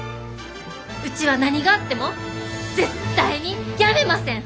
うちは何があっても絶対に辞めません！